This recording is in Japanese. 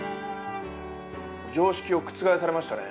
常識を覆されましたね。